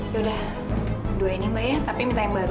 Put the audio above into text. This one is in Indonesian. yaudah dua ini mbak ya tapi minta yang baru